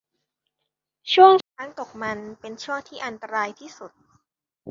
ช่วงช้างตกมันเป็นช่วงที่อันตรายที่สุด